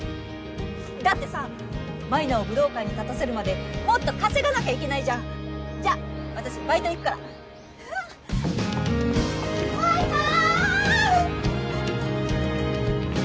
だってさ舞菜を武道館に立たせるまでもっと稼がなきゃいけないじゃんじゃあ私バイト行くから舞菜ー！